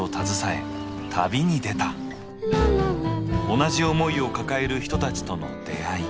同じ思いを抱える人たちとの出会い。